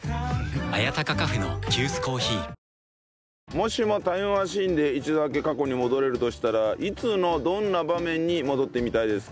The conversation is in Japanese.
もしもタイムマシンで一度だけ過去に戻れるとしたらいつのどんな場面に戻ってみたいですか？